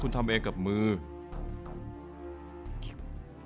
หอมหาเฉลี่ยอีก